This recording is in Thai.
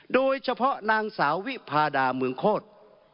โดยเฉพาะนางสาววิพาดาเมืองโคตร